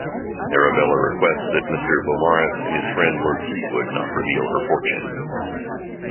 Arabella requests that Mr Beaumaris and his friend Lord Fleetwood not reveal her "fortune".